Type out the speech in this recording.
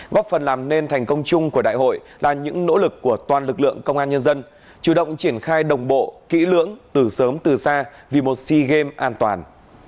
góp phần làm nên thành công chung của đại hội là những nỗ lực của toàn lực lượng công an nhân dân chủ động triển khai đồng bộ kỹ lưỡng từ sớm từ xa vì một sea games an toàn